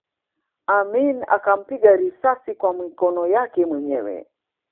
Amin akampiga risasi kwa mikono yake mwenyewe